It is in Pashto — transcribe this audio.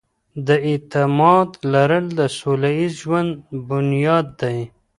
د اعتماد لرل د سوله ييز ژوند بنياد دی.